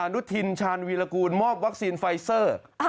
นุทินชาญวีรกูลมอบวัคซีนไฟเซอร์